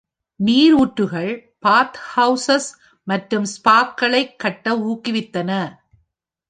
நீரூற்றுகள் பாத்ஹவுசஸ் மற்றும் ஸ்பாக்களைக் கட்ட ஊக்குவித்தன.